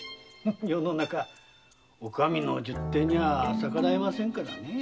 世の中お上の十手にゃ逆らえませんからねえ。